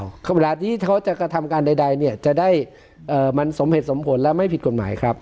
เวลาที่เขาจะกระทำการใดเนี่ยจะได้มันสมเหตุสมผลและไม่ผิดกฎหมายครับ